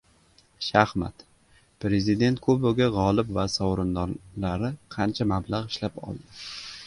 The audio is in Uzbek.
Shaxmat: “Prezident kubogi” g‘olib va sovrindorlari qancha mablag‘ ishlab oldi?